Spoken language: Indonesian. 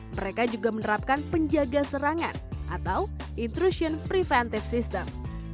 mereka juga menerapkan penjaga serangan atau intrution preventive system